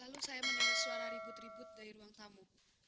lalu saya mendengar suara ribut ribut dari ruang tamu